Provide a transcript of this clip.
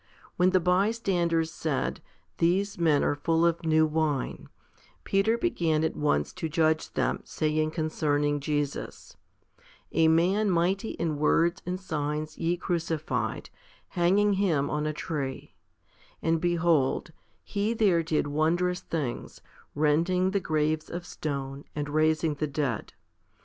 When the bystanders said, These men are full of new wine, 2 Peter began at once to judge them, saying concerning Jesus, " A ~ Man mighty in words and signs ye crucified, hanging Him on a tree; 3 and behold, He there did wondrous things, rending the graves of stone, and raising the dead.